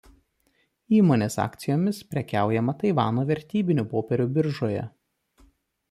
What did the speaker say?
Įmonės akcijomis prekiaujama Taivano vertybinių popierių biržoje.